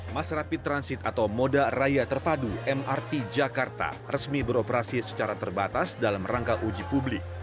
mas rapid transit atau moda raya terpadu mrt jakarta resmi beroperasi secara terbatas dalam rangka uji publik